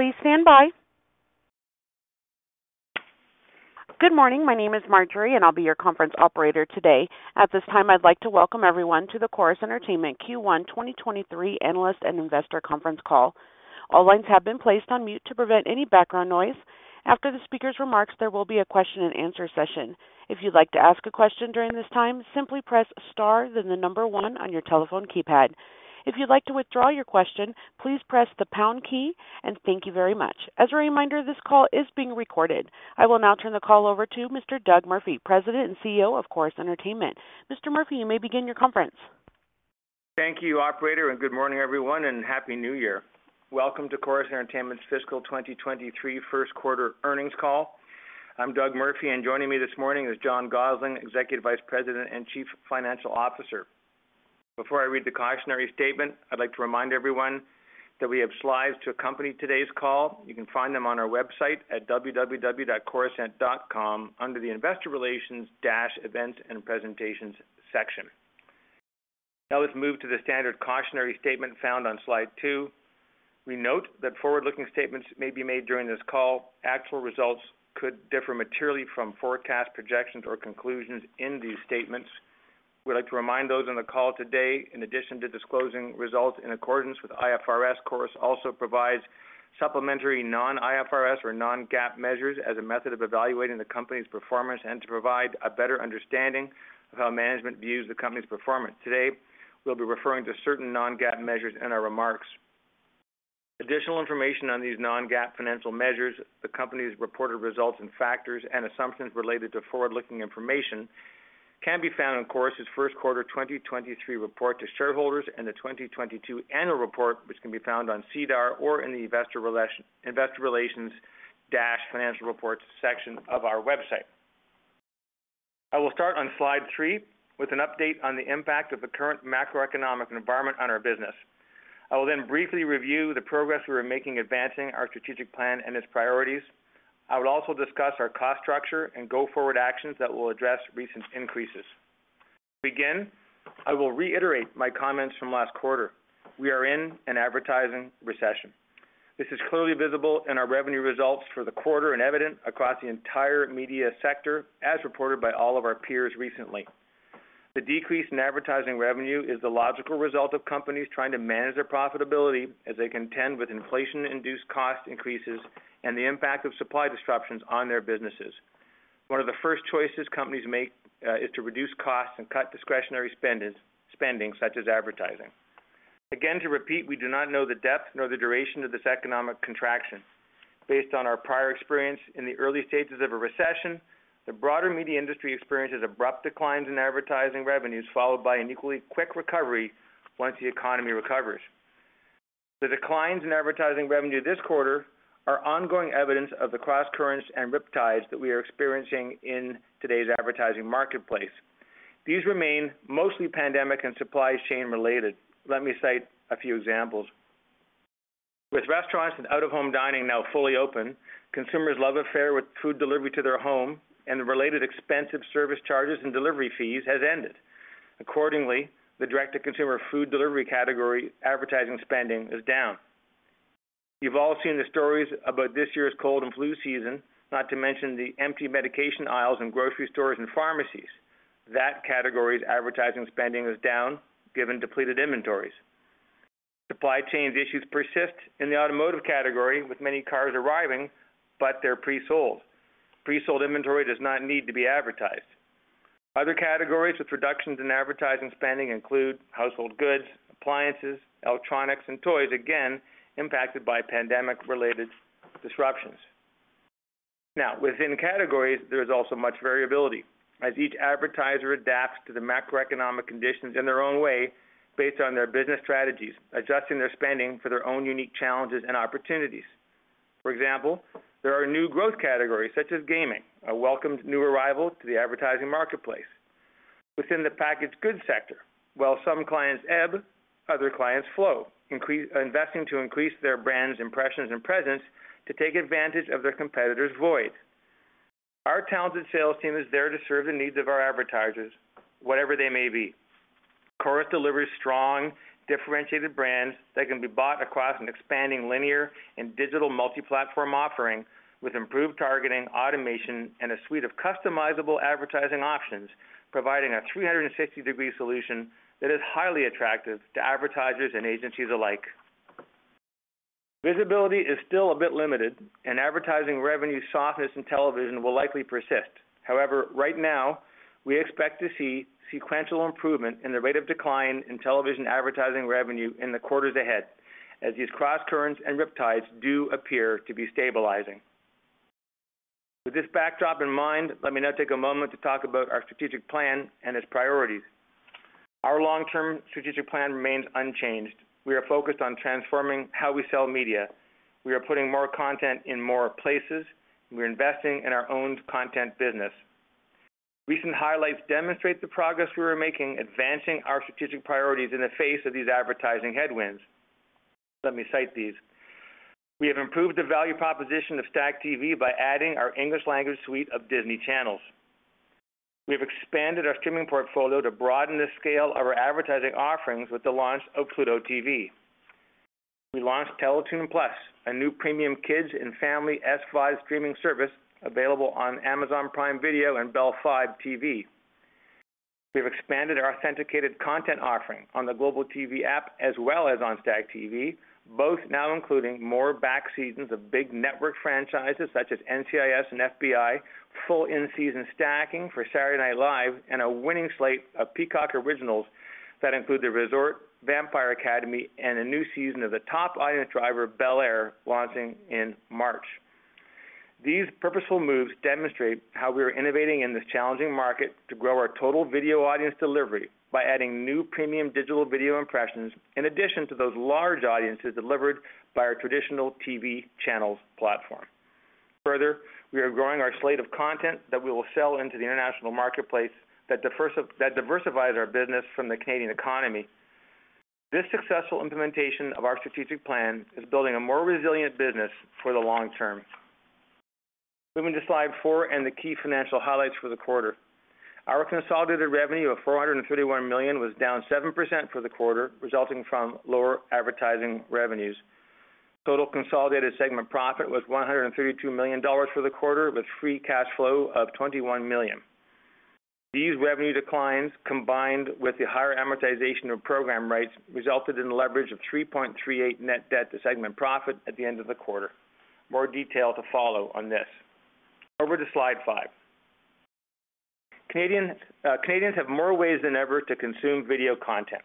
Please stand by. Good morning. My name is Marjorie, and I'll be your conference operator today. At this time, I'd like to welcome everyone to the Corus Entertainment Q1 2023 Analyst and Investor Conference Call. All lines have been placed on mute to prevent any background noise. After the speaker's remarks, there will be a question-and-answer session. If you'd like to ask a question during this time, simply press star, then the number one on your telephone keypad. If you'd like to withdraw your question, please press the pound key, and thank you very much. As a reminder, this call is being recorded. I will now turn the call over to Mr. Doug Murphy, President and CEO of Corus Entertainment. Mr. Murphy, you may begin your conference. Thank you, operator. Good morning, everyone, and Happy New Year. Welcome to Corus Entertainment's fiscal 2023 first quarter earnings call. I'm Doug Murphy. Joining me this morning is John Gossling, Executive Vice President and Chief Financial Officer. Before I read the cautionary statement, I'd like to remind everyone that we have slides to accompany today's call. You can find them on our website at www.corusent.com under the Investor Relations-Events and Presentations section. Now let's move to the standard cautionary statement found on slide two. We note that forward-looking statements may be made during this call. Actual results could differ materially from forecast projections or conclusions in these statements. We'd like to remind those on the call today, in addition to disclosing results in accordance with IFRS, Corus also provides supplementary non-IFRS or non-GAAP measures as a method of evaluating the company's performance and to provide a better understanding of how management views the company's performance. Today, we'll be referring to certain non-GAAP measures in our remarks. Additional information on these non-GAAP financial measures, the company's reported results, and factors and assumptions related to forward-looking information can be found in Corus' first quarter 2023 report to shareholders and the 2022 annual report, which can be found on SEDAR or in the Investor Relations-Financial Reports section of our website. I will start on slide three with an update on the impact of the current macroeconomic environment on our business. I will briefly review the progress we are making advancing our strategic plan and its priorities. I will also discuss our cost structure and go-forward actions that will address recent increases. To begin, I will reiterate my comments from last quarter. We are in an advertising recession. This is clearly visible in our revenue results for the quarter and evident across the entire media sector, as reported by all of our peers recently. The decrease in advertising revenue is the logical result of companies trying to manage their profitability as they contend with inflation-induced cost increases and the impact of supply disruptions on their businesses. One of the first choices companies make is to reduce costs and cut discretionary spending such as advertising. Again, to repeat, we do not know the depth nor the duration of this economic contraction. Based on our prior experience in the early stages of a recession, the broader media industry experiences abrupt declines in advertising revenues, followed by an equally quick recovery once the economy recovers. The declines in advertising revenue this quarter are ongoing evidence of the crosscurrents and riptides that we are experiencing in today's advertising marketplace. These remain mostly pandemic and supply chain related. Let me cite a few examples. With restaurants and out-of-home dining now fully open, consumers' love affair with food delivery to their home and the related expensive service charges and delivery fees has ended. Accordingly, the direct-to-consumer food delivery category advertising spending is down. You've all seen the stories about this year's cold and flu season, not to mention the empty medication aisles in grocery stores and pharmacies. That category's advertising spending is down given depleted inventories. Supply chains issues persist in the automotive category, with many cars arriving, but they're pre-sold. Pre-sold inventory does not need to be advertised. Other categories with reductions in advertising spending include household goods, appliances, electronics, and toys, again impacted by pandemic-related disruptions. Now, within categories, there is also much variability as each advertiser adapts to the macroeconomic conditions in their own way based on their business strategies, adjusting their spending for their own unique challenges and opportunities. For example, there are new growth categories such as gaming, a welcomed new arrival to the advertising marketplace. Within the packaged goods sector, while some clients ebb, other clients flow, investing to increase their brand's impressions and presence to take advantage of their competitor's void. Our talented sales team is there to serve the needs of our advertisers, whatever they may be. Corus delivers strong, differentiated brands that can be bought across an expanding linear and digital multi-platform offering with improved targeting, automation, and a suite of customizable advertising options, providing a 360-degree solution that is highly attractive to advertisers and agencies alike. However, right now, we expect to see sequential improvement in the rate of decline in television advertising revenue in the quarters ahead as these crosscurrents and riptides do appear to be stabilizing. With this backdrop in mind, let me now take a moment to talk about our strategic plan and its priorities. Our long-term strategic plan remains unchanged. We are focused on transforming how we sell media. We are putting more content in more places. We're investing in our own content business. Recent highlights demonstrate the progress we are making advancing our strategic priorities in the face of these advertising headwinds. Let me cite these. We have improved the value proposition of STACKTV by adding our English language suite of Disney Channels. we've expanded our streaming portfolio to broaden the scale of our advertising offerings with the launch of Pluto TV. We launched TELETOON+, a new premium kids and family SVOD streaming service available on Amazon Prime Video and Bell Fibe TV. We've expanded our authenticated content offering on the Global TV app as well as on STACKTV, both now including more back seasons of big network franchises such as NCIS and FBI, full in-season stacking for Saturday Night Live, and a winning slate of Peacock Originals that include The Resort, Vampire Academy, and a new season of the top audience driver, Bel-Air, launching in March. These purposeful moves demonstrate how we are innovating in this challenging market to grow our total video audience delivery by adding new premium digital video impressions in addition to those large audiences delivered by our traditional TV channels platform. We are growing our slate of content that we will sell into the international marketplace that diversifies our business from the Canadian economy. This successful implementation of our strategic plan is building a more resilient business for the long term. Moving to slide four and the key financial highlights for the quarter. Our consolidated revenue of 431 million was down 7% for the quarter, resulting from lower advertising revenues. Total consolidated segment profit was 132 million dollars for the quarter, with free cash flow of 21 million. These revenue declines, combined with the higher amortization of program rights, resulted in leverage of 3.38 net debt to segment profit at the end of the quarter. More detail to follow on this. Over to slide five. Canadians have more ways than ever to consume video content,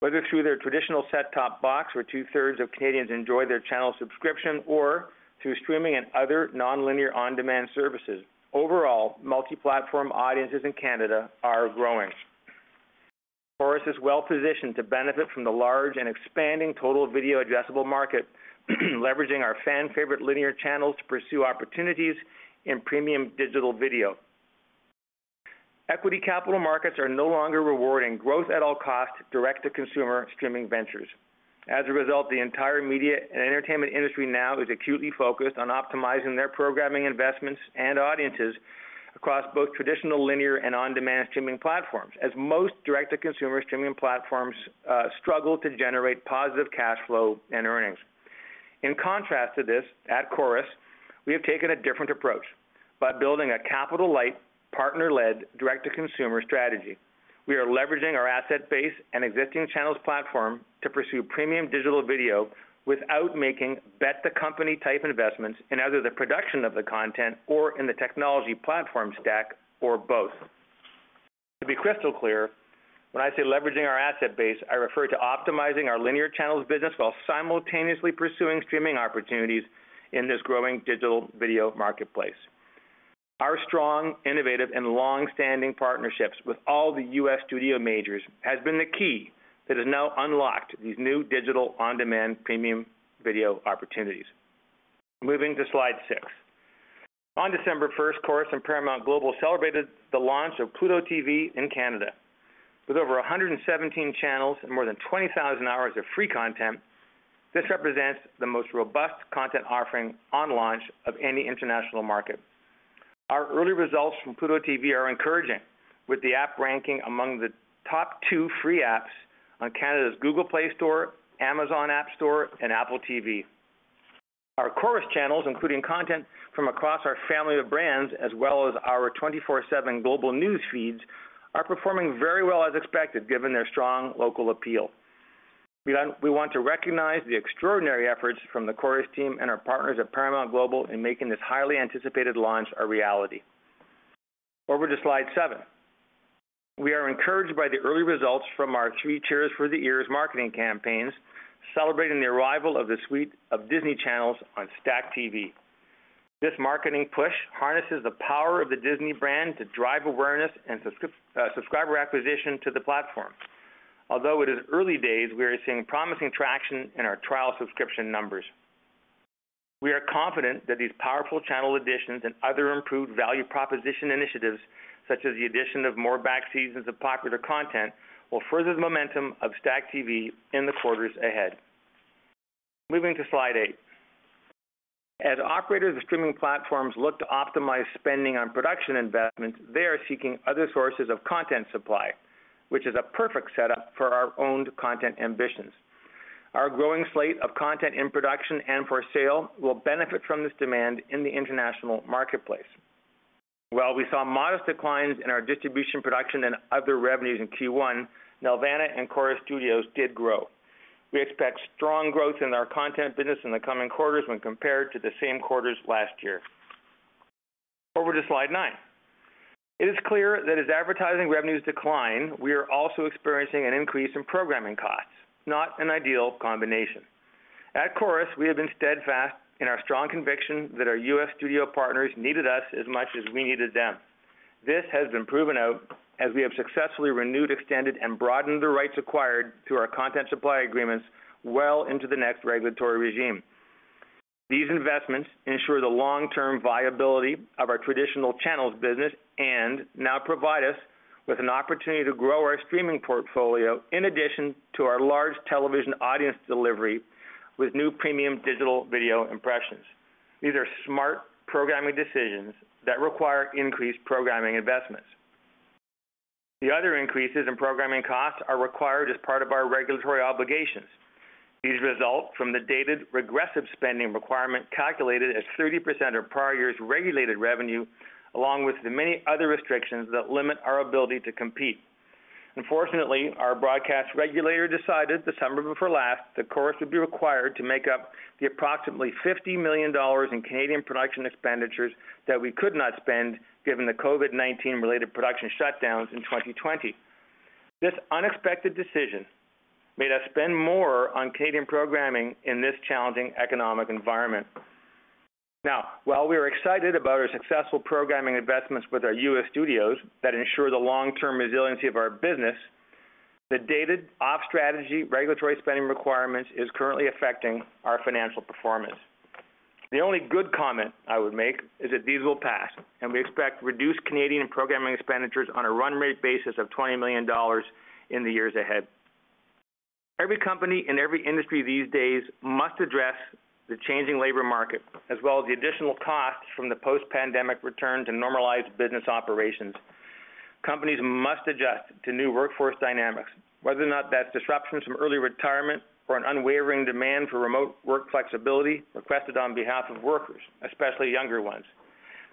whether through their traditional set-top box, where two-thirds of Canadians enjoy their channel subscription, or through streaming and other non-linear on-demand services. Overall, multi-platform audiences in Canada are growing. Corus is well-positioned to benefit from the large and expanding total video addressable market, leveraging our fan favorite linear channels to pursue opportunities in premium digital video. Equity capital markets are no longer rewarding growth at all costs direct-to-consumer streaming ventures. As a result, the entire media and entertainment industry now is acutely focused on optimizing their programming investments and audiences across both traditional linear and on-demand streaming platforms, as most direct-to-consumer streaming platforms struggle to generate positive cash flow and earnings. In contrast to this, at Corus, we have taken a different approach. By building a capital-light, partner-led, direct-to-consumer strategy, we are leveraging our asset base and existing channels platform to pursue premium digital video without making bet the company type investments in either the production of the content or in the technology platform stack, or both. To be crystal clear, when I say leveraging our asset base, I refer to optimizing our linear channels business while simultaneously pursuing streaming opportunities in this growing digital video marketplace. Our strong, innovative, and long-standing partnerships with all the U.S. studio majors has been the key that has now unlocked these new digital on-demand premium video opportunities. Moving to slide six. On December 1st, Corus and Paramount Global celebrated the launch of Pluto TV in Canada. With over 117 channels and more than 20,000 hours of free content, this represents the most robust content offering on launch of any international market. Our early results from Pluto TV are encouraging, with the app ranking among the top two free apps on Canada's Google Play Store, Amazon Appstore, and Apple TV. Our Corus channels, including content from across our family of brands, as well as our 24/7 Global News feeds, are performing very well as expected, given their strong local appeal. We want to recognize the extraordinary efforts from the Corus team and our partners at Paramount Global in making this highly anticipated launch a reality. Over to slide seven. We are encouraged by the early results from our Three Cheers for the Ears marketing campaigns, celebrating the arrival of the suite of Disney Channels on STACKTV. This marketing push harnesses the power of the Disney brand to drive awareness and subscriber acquisition to the platform. Although it is early days, we are seeing promising traction in our trial subscription numbers. We are confident that these powerful channel additions and other improved value proposition initiatives, such as the addition of more back seasons of popular content, will further the momentum of STACKTV in the quarters ahead. Moving to slide eight. As operators of streaming platforms look to optimize spending on production investments, they are seeking other sources of content supply, which is a perfect setup for our owned content ambitions. Our growing slate of content in production and for sale will benefit from this demand in the international marketplace. While we saw modest declines in our distribution production and other revenues in Q1, Nelvana and Corus Studios did grow. We expect strong growth in our content business in the coming quarters when compared to the same quarters last year. Over to slide nine. It is clear that as advertising revenues decline, we are also experiencing an increase in programming costs, not an ideal combination. At Corus, we have been steadfast in our strong conviction that our U.S. studio partners needed us as much as we needed them. This has been proven out as we have successfully renewed, extended, and broadened the rights acquired through our content supply agreements well into the next regulatory regime. These investments ensure the long-term viability of our traditional channels business and now provide us with an opportunity to grow our streaming portfolio in addition to our large television audience delivery with new premium digital video impressions. These are smart programming decisions that require increased programming investments. The other increases in programming costs are required as part of our regulatory obligations. These result from the dated regressive spending requirement, calculated as 30% of prior year's regulated revenue, along with the many other restrictions that limit our ability to compete. Unfortunately, our broadcast regulator decided December before last, that Corus would be required to make up the approximately 50 million dollars in Canadian production expenditures that we could not spend given the COVID-19 related production shutdowns in 2020. This unexpected decision made us spend more on Canadian programming in this challenging economic environment. While we are excited about our successful programming investments with our U.S. studios that ensure the long-term resiliency of our business, the dated off-strategy regulatory spending requirements is currently affecting our financial performance. The only good comment I would make is that these will pass, and we expect reduced Canadian programming expenditures on a run rate basis of 20 million dollars in the years ahead. Every company in every industry these days must address the changing labor market, as well as the additional costs from the post-pandemic return to normalized business operations. Companies must adjust to new workforce dynamics. Whether or not that's disruptions from early retirement or an unwavering demand for remote work flexibility requested on behalf of workers, especially younger ones.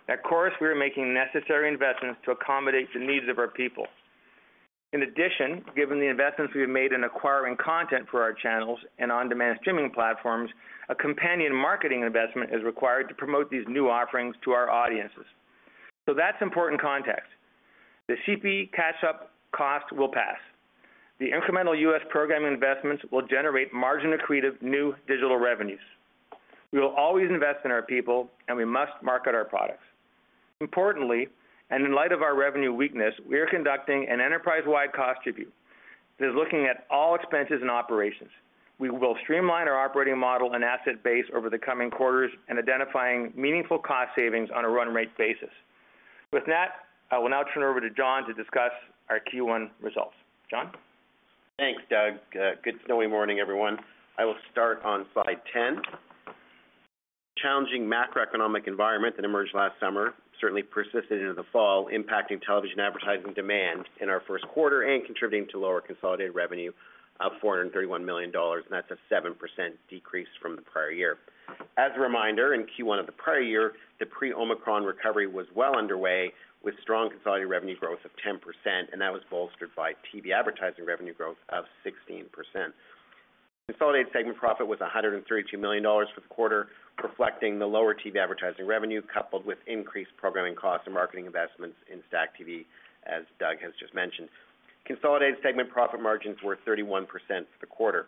At Corus, we are making necessary investments to accommodate the needs of our people. In addition, given the investments we have made in acquiring content for our channels and on-demand streaming platforms, a companion marketing investment is required to promote these new offerings to our audiences. That's important context. The CP catch-up cost will pass. The incremental U.S. programming investments will generate margin-accretive new digital revenues. We will always invest in our people, and we must market our products. Importantly, and in light of our revenue weakness, we are conducting an enterprise-wide cost review that is looking at all expenses and operations. We will streamline our operating model and asset base over the coming quarters and identifying meaningful cost savings on a run rate basis. With that, I will now turn over to John to discuss our Q1 results. John? Thanks, Doug. good snowy morning, everyone. I will start on slide 10. Challenging macroeconomic environment that emerged last summer certainly persisted into the fall, impacting television advertising demand in our first quarter and contributing to lower consolidated revenue of 431 million dollars. That's a 7% decrease from the prior year. As a reminder, in Q1 of the prior year, the pre-Omicron recovery was well underway, with strong consolidated revenue growth of 10%. That was bolstered by TV advertising revenue growth of 16%. Consolidated segment profit was 132 million dollars for the quarter, reflecting the lower TV advertising revenue, coupled with increased programming costs and marketing investments in STACKTV, as Doug has just mentioned. Consolidated segment profit margins were 31% for the quarter.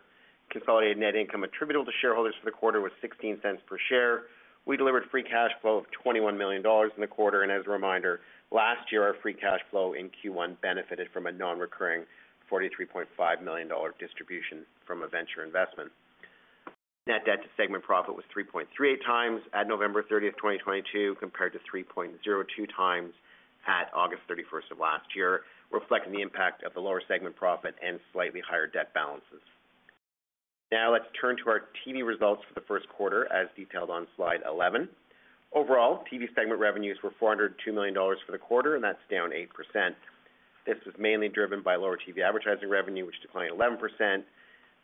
Consolidated net income attributable to shareholders for the quarter was 0.16 per share. We delivered free cash flow of 21 million dollars in the quarter, and as a reminder, last year, our free cash flow in Q1 benefited from a non-recurring 43.5 million dollar distribution from a venture investment. Net debt to segment profit was 3.3x at November 30th, 2022, compared to 3.02x at August 31st of last year, reflecting the impact of the lower segment profit and slightly higher debt balances. Let's turn to our TV results for the first quarter as detailed on slide 11. Overall, TV segment revenues were 402 million dollars for the quarter, and that's down 8%. This was mainly driven by lower TV advertising revenue, which declined 11%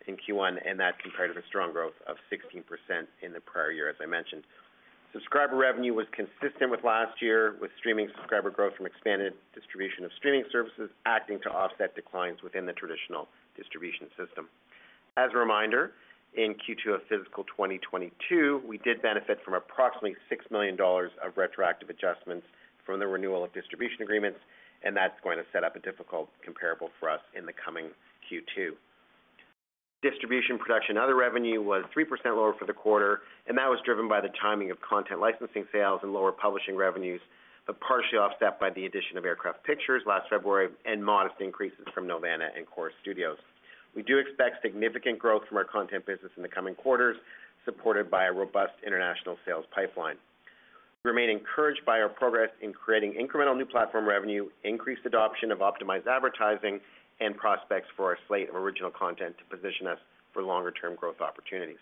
in Q1, and that compared to the strong growth of 16% in the prior year, as I mentioned. Subscriber revenue was consistent with last year, with streaming subscriber growth from expanded distribution of streaming services acting to offset declines within the traditional distribution system. As a reminder, in Q2 of fiscal 2022, we did benefit from approximately 6 million dollars of retroactive adjustments from the renewal of distribution agreements, and that's going to set up a difficult comparable for us in the coming Q2. Distribution production, other revenue was 3% lower for the quarter, that was driven by the timing of content licensing sales and lower publishing revenues, but partially offset by the addition of Aircraft Pictures last February and modest increases from Nelvana and Corus Studios. We do expect significant growth from our content business in the coming quarters, supported by a robust international sales pipeline. We remain encouraged by our progress in creating incremental new platform revenue, increased adoption of optimized advertising, and prospects for our slate of original content to position us for longer term growth opportunities.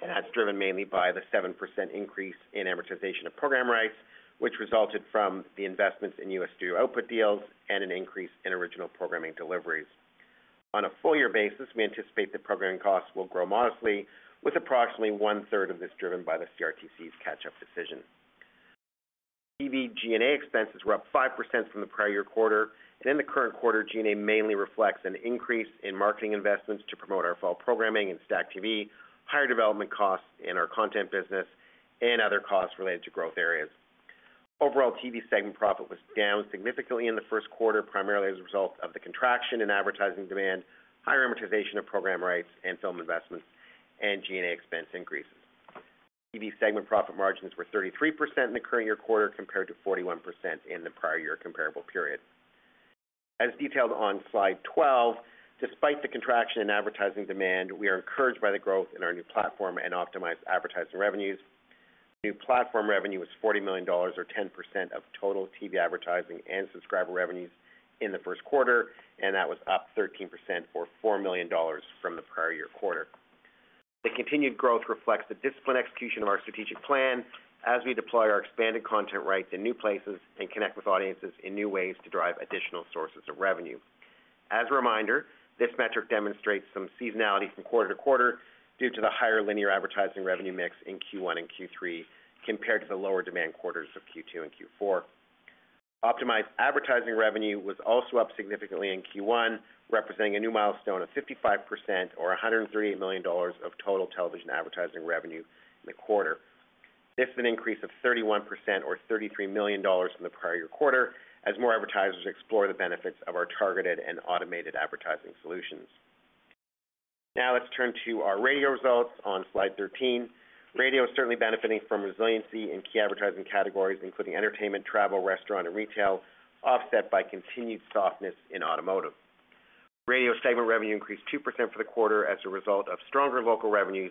That's driven mainly by the 7% increase in amortization of program rights, which resulted from the investments in U.S. studio output deals and an increase in original programming deliveries. On a full year basis, we anticipate that programming costs will grow modestly with approximately one-third of this driven by the CRTC's catch-up decision. In the current quarter, G&A mainly reflects an increase in marketing investments to promote our fall programming and STACKTV, higher development costs in our content business, and other costs related to growth areas. Overall TV segment profit was down significantly in the first quarter, primarily as a result of the contraction in advertising demand, higher amortization of program rights and film investments, and G&A expense increases. TV segment profit margins were 33% in the current year quarter, compared to 41% in the prior-year comparable period. As detailed on slide 12, despite the contraction in advertising demand, we are encouraged by the growth in our new platform and optimized advertising revenues. New platform revenue was 40 million dollars or 10% of total TV advertising and subscriber revenues in the first quarter, that was up 13% for 4 million dollars from the prior-year quarter. The continued growth reflects the disciplined execution of our strategic plan as we deploy our expanded content rights in new places and connect with audiences in new ways to drive additional sources of revenue. As a reminder, this metric demonstrates some seasonality from quarter to quarter due to the higher linear advertising revenue mix in Q1 and Q3 compared to the lower demand quarters of Q2 and Q4. Optimized advertising revenue was also up significantly in Q1, representing a new milestone of 55% or 103 million dollars of total television advertising revenue in the quarter. This is an increase of 31% or 33 million dollars from the prior year quarter as more advertisers explore the benefits of our targeted and automated advertising solutions. Let's turn to our radio results on slide 13. Radio is certainly benefiting from resiliency in key advertising categories including entertainment, travel, restaurant and retail, offset by continued softness in automotive. Radio segment revenue increased 2% for the quarter as a result of stronger local revenues.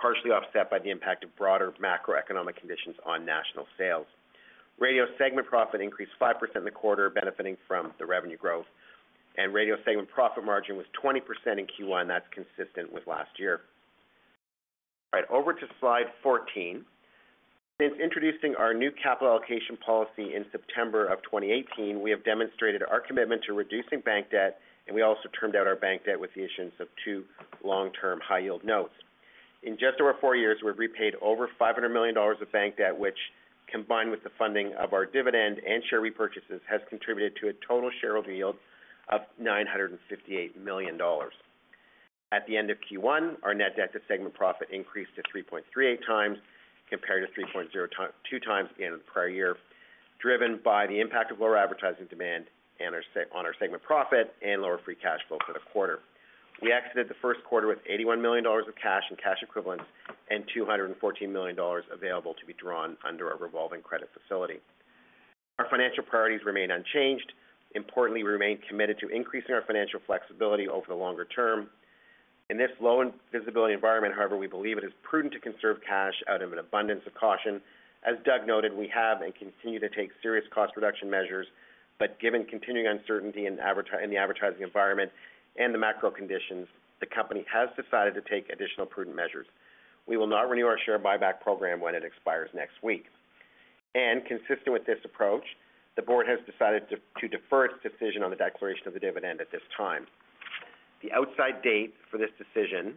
Partially offset by the impact of broader macroeconomic conditions on national sales. Radio segment profit increased 5% in the quarter, benefiting from the revenue growth. Radio segment profit margin was 20% in Q1. That's consistent with last year. All right, over to slide 14. Since introducing our new capital allocation policy in September of 2018, we have demonstrated our commitment to reducing bank debt. We also termed out our bank debt with the issuance of two long-term high-yield notes. In just over four years, we've repaid over 500 million dollars of bank debt, which, combined with the funding of our dividend and share repurchases, has contributed to a total shareholder yield of 958 million dollars. At the end of Q1, our net debt to segment profit increased to 3.38x compared to 3.02x in the prior year, driven by the impact of lower advertising demand on our segment profit and lower free cash flow for the quarter. We exited the first quarter with 81 million dollars of cash and cash equivalents and 214 million dollars available to be drawn under our revolving credit facility. Our financial priorities remain unchanged. We remain committed to increasing our financial flexibility over the longer term. In this low and visibility environment, however, we believe it is prudent to conserve cash out of an abundance of caution. As Doug noted, we have and continue to take serious cost reduction measures, but given continuing uncertainty in the advertising environment and the macro conditions, the company has decided to take additional prudent measures. We will not renew our share buyback program when it expires next week. Consistent with this approach, the board has decided to defer its decision on the declaration of the dividend at this time. The outside date for this decision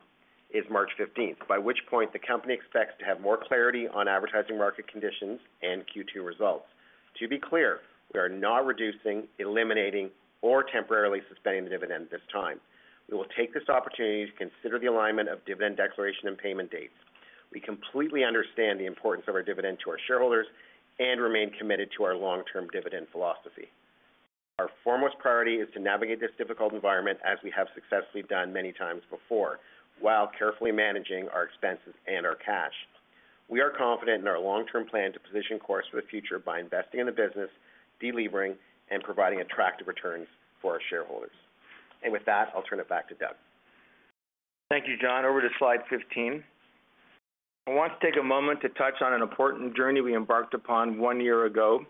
is March 15th, by which point the company expects to have more clarity on advertising market conditions and Q2 results. To be clear, we are not reducing, eliminating, or temporarily suspending the dividend at this time. We will take this opportunity to consider the alignment of dividend declaration and payment dates. We completely understand the importance of our dividend to our shareholders and remain committed to our long-term dividend philosophy. Our foremost priority is to navigate this difficult environment as we have successfully done many times before, while carefully managing our expenses and our cash. We are confident in our long-term plan to position Corus for the future by investing in the business, delevering, and providing attractive returns for our shareholders. With that, I'll turn it back to Doug. Thank you, John. Over to slide 15. I want to take a moment to touch on an important journey we embarked upon one year ago.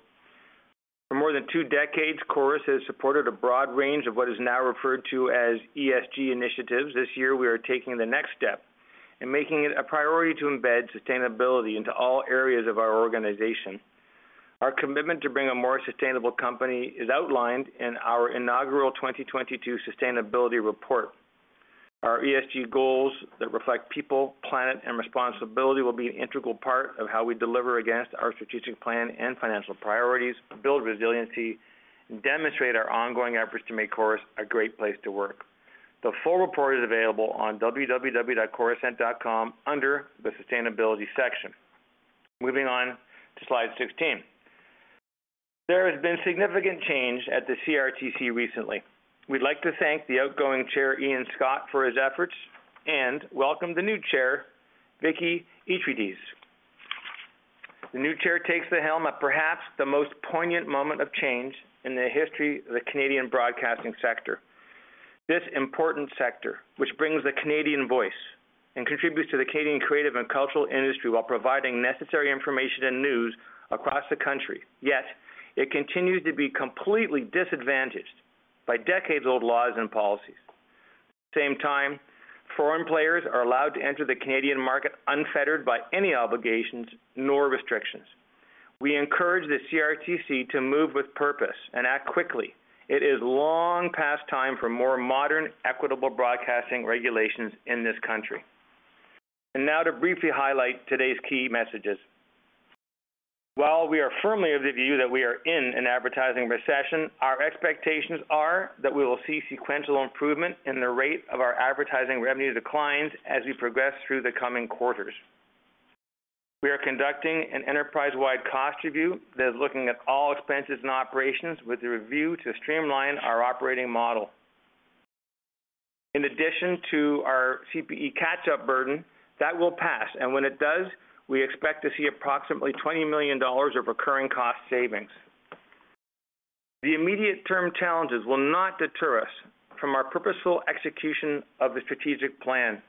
For more than two decades, Corus has supported a broad range of what is now referred to as ESG initiatives. This year, we are taking the next step and making it a priority to embed sustainability into all areas of our organization. Our commitment to bring a more sustainable company is outlined in our inaugural 2022 sustainability report. Our ESG goals that reflect people, planet, and responsibility will be an integral part of how we deliver against our strategic plan and financial priorities, build resiliency, and demonstrate our ongoing efforts to make Corus a great place to work. The full report is available on www.corusent.com under the Sustainability section. Moving on to slide 16. There has been significant change at the CRTC recently. We'd like to thank the outgoing chair, Ian Scott, for his efforts. Welcome the new chair, Vicky Eatrides. The new chair takes the helm at perhaps the most poignant moment of change in the history of the Canadian broadcasting sector. This important sector, which brings the Canadian voice and contributes to the Canadian creative and cultural industry while providing necessary information and news across the country. It continues to be completely disadvantaged by decades-old laws and policies. At the same time, foreign players are allowed to enter the Canadian market unfettered by any obligations nor restrictions. We encourage the CRTC to move with purpose and act quickly. It is long past time for more modern, equitable broadcasting regulations in this country. Now to briefly highlight today's key messages. While we are firmly of the view that we are in an advertising recession, our expectations are that we will see sequential improvement in the rate of our advertising revenue declines as we progress through the coming quarters. We are conducting an enterprise-wide cost review that is looking at all expenses and operations with the review to streamline our operating model. In addition to our CPE catch-up burden, that will pass, and when it does, we expect to see approximately 20 million dollars of recurring cost savings. The immediate term challenges will not deter us from our purposeful execution of the strategic plan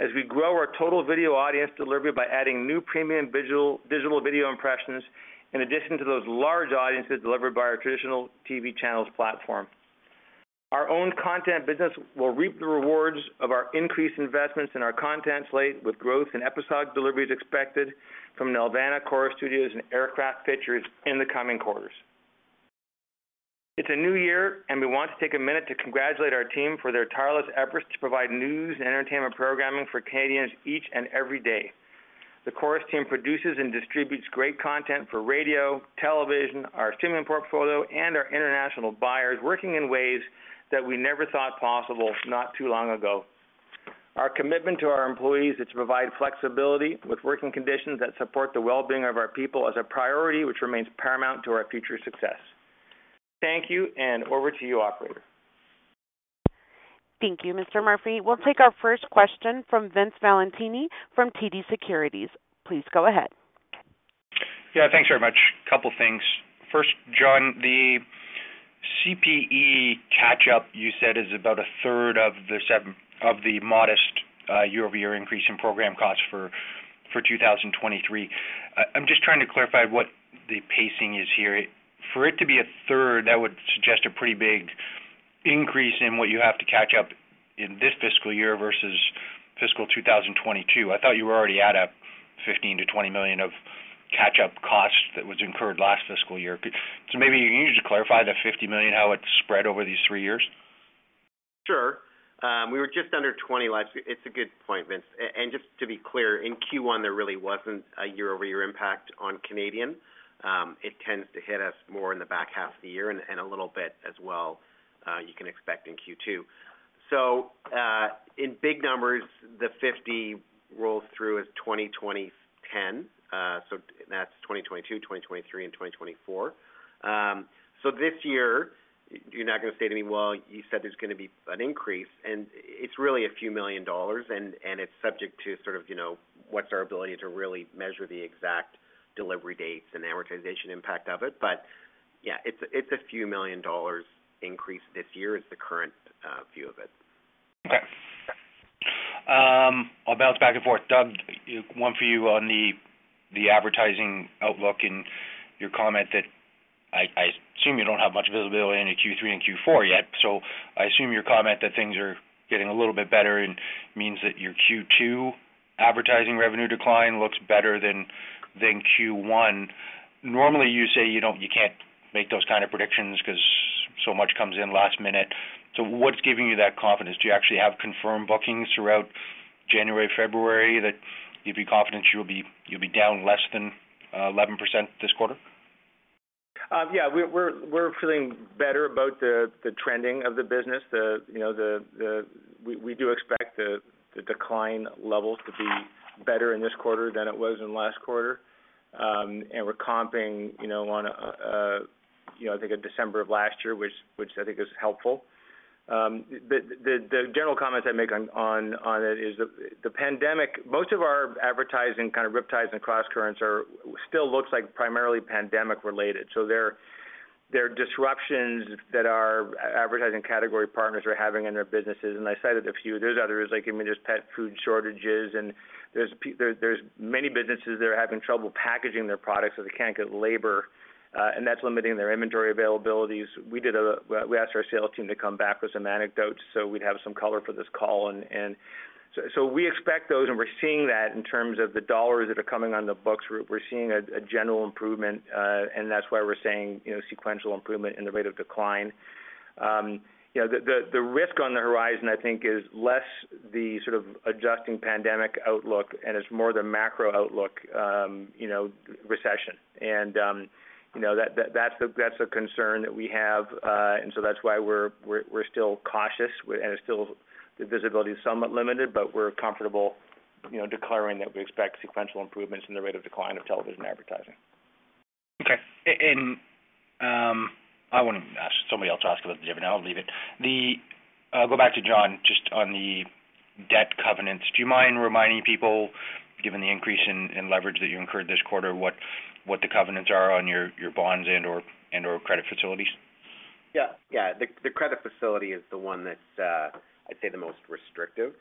as we grow our total video audience delivery by adding new premium visual, digital video impressions in addition to those large audiences delivered by our traditional TV channels platform. Our own content business will reap the rewards of our increased investments in our content slate with growth in episode deliveries expected from Nelvana, Corus Studios, and Aircraft Pictures in the coming quarters. It's a new year. We want to take a minute to congratulate our team for their tireless efforts to provide news and entertainment programming for Canadians each and every day. The Corus team produces and distributes great content for radio, television, our streaming portfolio, and our international buyers working in ways that we never thought possible not too long ago. Our commitment to our employees is to provide flexibility with working conditions that support the well-being of our people as a priority, which remains paramount to our future success. Thank you. Over to you, operator. Thank you, Mr. Murphy. We'll take our first question from Vince Valentini from TD Securities. Please go ahead. Yeah, thanks very much. Couple of things. First, John, the CPE catch up, you said, is about a third of the modest year-over-year increase in program costs for 2023. I'm just trying to clarify what the pacing is here. For it to be a third, that would suggest a pretty big increase in what you have to catch up in this fiscal year versus fiscal 2022. I thought you were already at a 15 million-20 million of catch-up costs that was incurred last fiscal year. Maybe you can just clarify the 50 million, how it's spread over these three years. Sure. We were just under 20 last year. It's a good point, Vince. And just to be clear, in Q1, there really wasn't a year-over-year impact on Canadian. It tends to hit us more in the back half of the year and a little bit as well, you can expect in Q2. In big numbers, the 50 rolls through as 2020. That's 2022, 2023, and 2024. This year, you're not going to say to me, well, you said there's going to be an increase, and it's really a few million dollars, and it's subject to sort of, you know, what's our ability to really measure the exact delivery dates and the amortization impact of it. Yeah, it's a few million dollars increase this year is the current view of it. Okay. I'll bounce back and forth. Doug, one for you on the advertising outlook and your comment that I assume you don't have much visibility into Q3 and Q4 yet. I assume your comment that things are getting a little bit better means that your Q2 advertising revenue decline looks better than Q1. Normally, you say you can't make those kinds of predictions 'cause so much comes in last minute. What's giving you that confidence? Do you actually have confirmed bookings throughout January, February that you'd be confident you'll be down less than 11% this quarter? Yeah, we're feeling better about the trending of the business. You know, we do expect the decline levels to be better in this quarter than it was in last quarter. And we're comping, you know, on, you know, I think a December of last year, which I think is helpful. The general comment I'd make on it is the pandemic. Most of our advertising riptides and crosscurrents still looks like primarily pandemic related. There are disruptions that our advertising category partners are having in their businesses, and I cited a few. There's others, like, I mean, there's pet food shortages, and there's many businesses that are having trouble packaging their products, so they can't get labor, and that's limiting their inventory availabilities. We asked our sales team to come back with some anecdotes, so we'd have some color for this call. We expect those, and we're seeing that in terms of the dollars that are coming on the books. We're seeing a general improvement, and that's why we're saying, you know, sequential improvement in the rate of decline. You know, the risk on the horizon, I think, is less the sort of adjusting pandemic outlook, and it's more the macro outlook, you know, recession. You know, that's a concern that we have, and that's why we're still cautious and it's still the visibility is somewhat limited, but we're comfortable, you know, declaring that we expect sequential improvements in the rate of decline of television advertising. Okay. Somebody else ask about the dividend. I'll leave it. I'll go back to John just on the debt covenants. Do you mind reminding people, given the increase in leverage that you incurred this quarter, what the covenants are on your bonds and/or credit facilities? Yeah. Yeah. The credit facility is the one that's, I'd say, the most restrictive.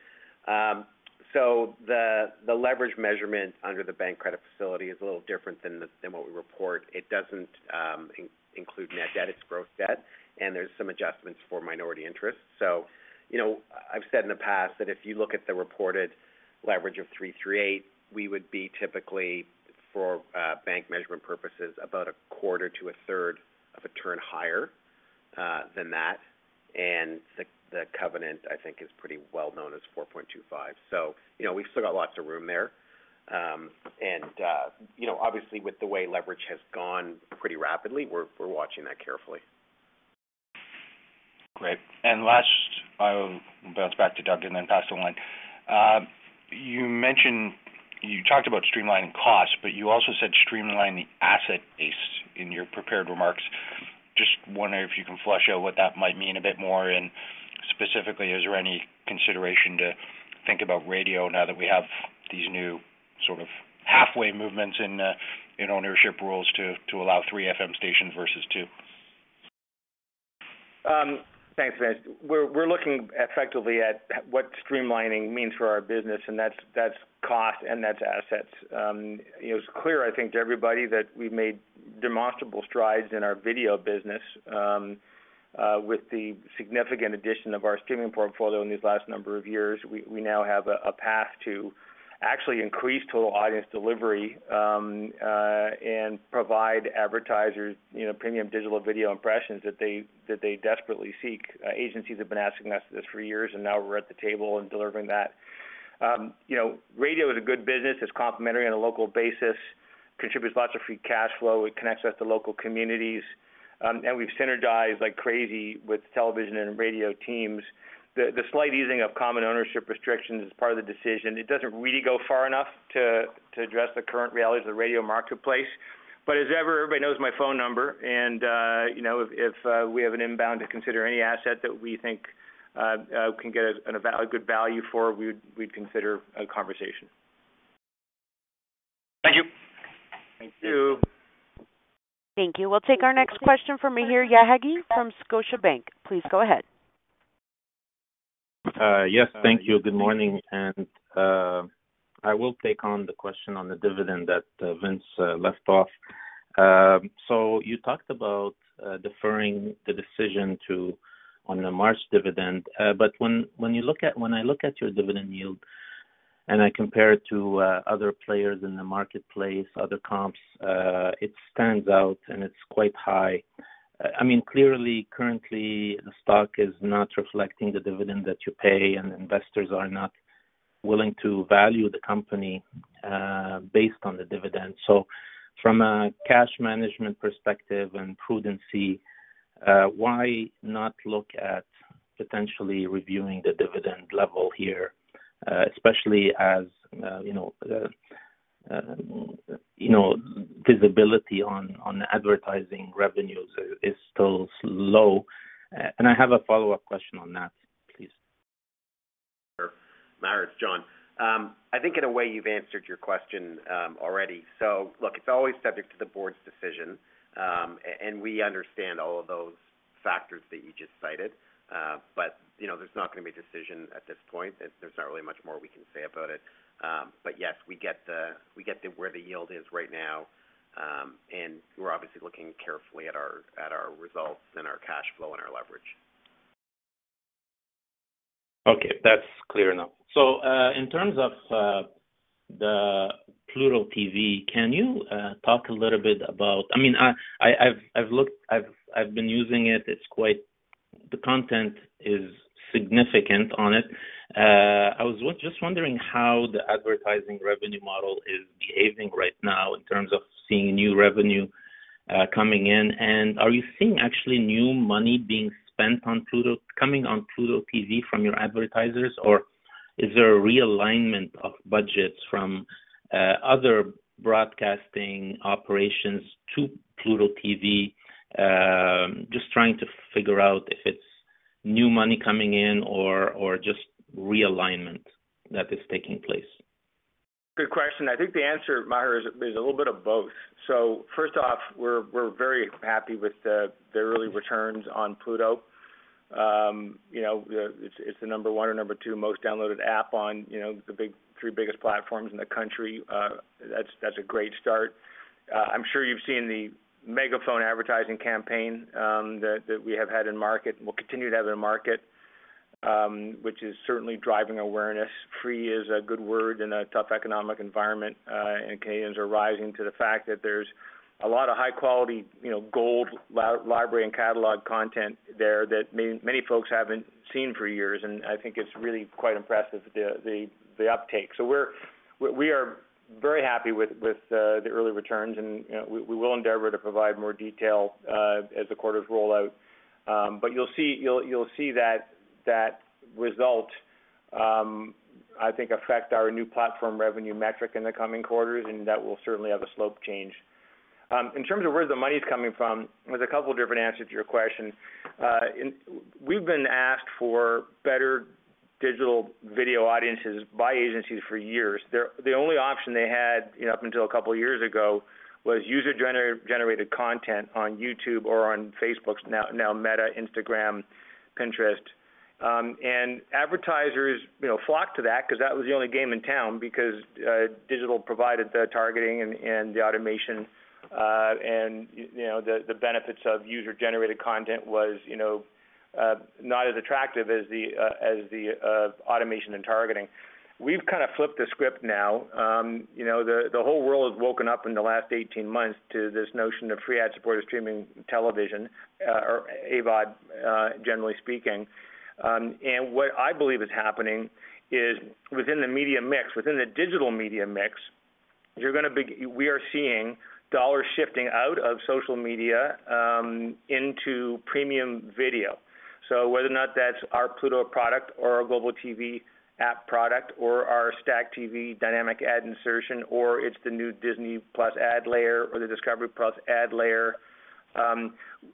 The leverage measurement under the bank credit facility is a little different than what we report. It doesn't include net debt, it's gross debt, and there's some adjustments for minority interests. You know, I've said in the past that if you look at the reported leverage of 3.38x, we would be typically for bank measurement purposes about a quarter to a third of a turn higher than that. The covenant, I think, is pretty well known as 4.25x. You know, we've still got lots of room there. You know, obviously with the way leverage has gone pretty rapidly, we're watching that carefully. Last, I will bounce back to Doug and then pass it on. You talked about streamlining costs, but you also said streamlining asset base in your prepared remarks. Just wondering if you can flesh out what that might mean a bit more and specifically, is there any consideration to think about radio now that we have these new sort of halfway movements in ownership rules to allow three FM stations versus two? Thanks, Vince. We're looking effectively at what streamlining means for our business, and that's cost and that's assets. You know, it's clear, I think, to everybody that we've made demonstrable strides in our video business, with the significant addition of our streaming portfolio in these last number of years. We now have a path to actually increase total audience delivery, and provide advertisers, you know, premium digital video impressions that they desperately seek. Agencies have been asking us this for years, and now we're at the table and delivering that. You know, radio is a good business. It's complimentary on a local basis, contributes lots of free cash flow. It connects us to local communities, and we've synergized like crazy with television and radio teams. The slight easing of common ownership restrictions is part of the decision. It doesn't really go far enough to address the current realities of the radio marketplace. As ever, everybody knows my phone number and you know, if we have an inbound to consider any asset that we think can get a good value for, we'd consider a conversation. Thank you. Thank you. Thank you. We'll take our next question from Maher Yaghi from Scotiabank. Please go ahead. Yes. Thank you. Good morning. I will take on the question on the dividend that Vince left off. You talked about deferring the decision on the March dividend. When I look at your dividend yield and I compare it to other players in the marketplace, other comps, it stands out and it's quite high. I mean, clearly, currently the stock is not reflecting the dividend that you pay, and investors are not willing to value the company based on the dividend. From a cash management perspective and prudency, why not look at potentially reviewing the dividend level here, especially as, you know, visibility on advertising revenues is still low. I have a follow-up question on that, please. Sure. Maher, it's John. I think in a way you've answered your question already. Look, it's always subject to the board's decision, and we understand all of those factors that you just cited. But, you know, there's not gonna be a decision at this point. There's not really much more we can say about it. But yes, we get the where the yield is right now, and we're obviously looking carefully at our results and our cash flow and our leverage. Okay. That's clear enough. In terms of the Pluto TV, can you talk a little bit about? I mean, I've been using it. The content is significant on it. I was just wondering how the advertising revenue model is behaving right now in terms of seeing new revenue coming in. Are you seeing actually new money being spent coming on Pluto TV from your advertisers, or is there a realignment of budgets from other broadcasting operations to Pluto TV? Just trying to figure out if it's new money coming in or just realignment that is taking place. Good question. I think the answer, Maher, is a little bit of both. First off, we're very happy with the early returns on Pluto TV. You know, it's the number one or number two most downloaded app on, you know, the big three biggest platforms in the country. That's a great start. I'm sure you've seen the megaphone advertising campaign that we have had in market and will continue to have in market, which is certainly driving awareness. Free is a good word in a tough economic environment. Canadians are rising to the fact that there's a lot of high quality, you know, gold library and catalog content there that many folks haven't seen for years. I think it's really quite impressive the uptake. We are very happy with the early returns and, you know, we will endeavor to provide more detail as the quarters roll out. You'll see that result, I think affect our new platform revenue metric in the coming quarters, and that will certainly have a slope change. In terms of where the money's coming from, there's a couple different answers to your question. We've been asked for better digital video audiences by agencies for years. The only option they had, you know, up until a couple years ago was user-generated content on YouTube or on Facebook's now Meta, Instagram, Pinterest. Advertisers, you know, flocked to that because that was the only game in town because digital provided the targeting and the automation. You know, the benefits of user-generated content was, you know, not as attractive as the, as the, automation and targeting. We've kind of flipped the script now. You know, the whole world has woken up in the last 18 months to this notion of free ad-supported streaming television, or AVOD, generally speaking. What I believe is happening is within the media mix, within the digital media mix, we are seeing dollars shifting out of social media, into premium video. Whether or not that's our Pluto TV product or our Global TV app product or our STACKTV Dynamic Ad Insertion, or it's the new Disney+ ad layer or the Discovery+ ad layer,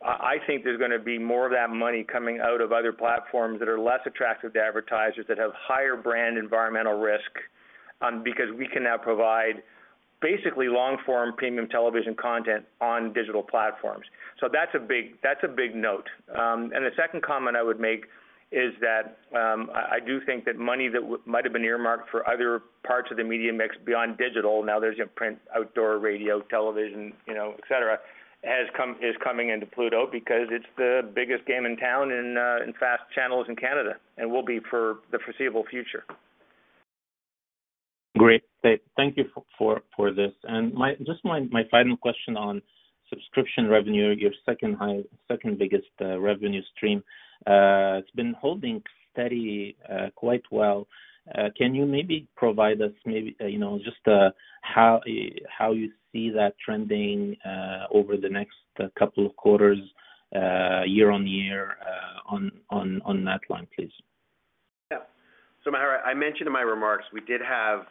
I think there's gonna be more of that money coming out of other platforms that are less attractive to advertisers that have higher brand environmental risk. Because we can now provide basically long form premium television content on digital platforms. That's a big note. The second comment I would make is that, I do think that money that might've been earmarked for other parts of the media mix beyond digital, now there's your print, outdoor radio, television, you know, et cetera, is coming into Pluto because it's the biggest game in town in fast channels in Canada and will be for the foreseeable future. Great. Thank you for this. Just my final question on subscription revenue, your second biggest revenue stream. It's been holding steady quite well. Can you maybe provide us maybe, you know, just how you see that trending over the next couple of quarters year-on-year on that line, please? Yeah. Maher, I mentioned in my remarks, we did have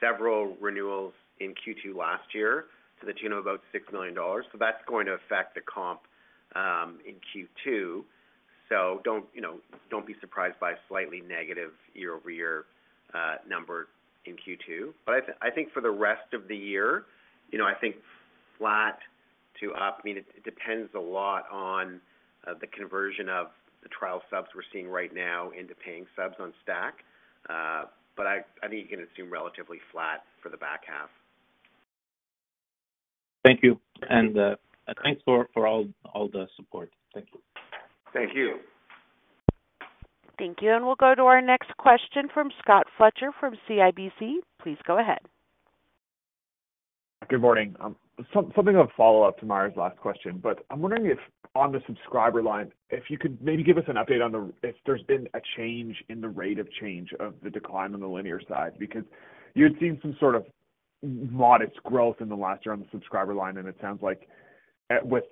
several renewals in Q2 last year to the tune of about 6 million dollars. That's going to affect the comp in Q2. Don't, you know, don't be surprised by a slightly negative year-over-year number in Q2. I think for the rest of the year, you know, I think flat to up. I mean, it depends a lot on the conversion of the trial subs we're seeing right now into paying subs on STACKTV. I think you can assume relatively flat for the back half. Thank you. Thanks for all the support. Thank you. Thank you. Thank you. We'll go to our next question from Scott Fletcher from CIBC. Please go ahead. Good morning. Something of a follow-up to Maher's last question, but I'm wondering if on the subscriber line, if you could maybe give us an update if there's been a change in the rate of change of the decline on the linear side, because you had seen some sort of modest growth in the last year on the subscriber line, and it sounds like with